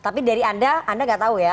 tapi dari anda anda nggak tahu ya